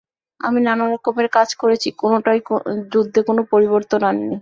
আমি নানা রকমের কাজ করেছি, কোনোটাই যুদ্ধে কোন পরিবর্তন আনেনি।